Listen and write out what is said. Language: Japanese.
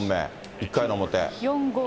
１回の表。